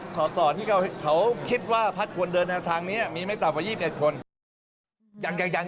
ต่อที่เขาคิดว่าพักควรเดินทางนี้มีไม่ต่ำกว่า๒๑คน